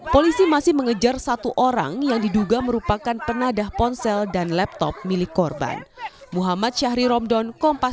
polisi masih mengejar satu orang yang diduga merupakan penadah ponsel dan laptop milik korban